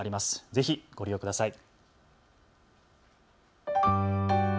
ぜひご利用ください。